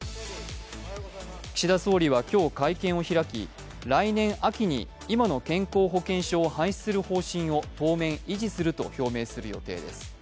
岸田総理は今日、会見を開き来年秋に今の健康保険証を廃止する方針を当面維持すると表明する予定です。